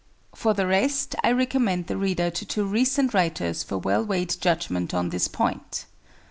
For the rest I recommend the reader to two recent writers for well weighed judgment on this point.